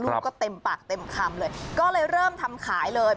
ก็เต็มปากเต็มคำเลยก็เลยเริ่มทำขายเลย